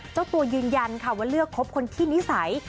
เจ้าตัวยืนยันค่ะว่าเลือกคบคนที่นิสัย